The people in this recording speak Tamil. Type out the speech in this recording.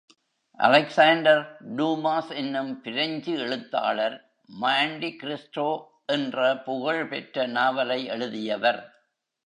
அலெக்ஸாண்டர் டூமாஸ் என்னும் பிரெஞ்சு எழுத்தாளர் மாண்டி கிறிஸ்டோ என்ற புகழ்பெற்ற நாவலை எழுதியவர்.